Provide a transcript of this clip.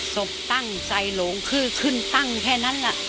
ศพตั้งใส่หลงคือขึ้นตั้งแค่นั้นแหละ